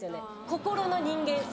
心の人間性。